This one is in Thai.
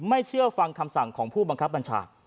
เชื่อฟังคำสั่งของผู้บังคับบัญชา